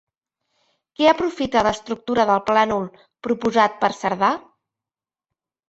Què aprofita l'estructura del plànol proposat per Cerdà?